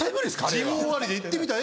ジム終わりで行ってみたら。